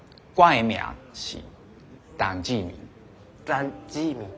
ダァン・ジーミン？